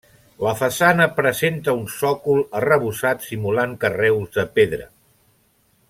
La façana presenta un sòcol arrebossat simulant carreus de pedra.